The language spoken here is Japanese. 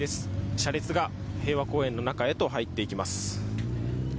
車列が平和公園の中へと入っていきます。